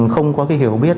không có cái hiểu biết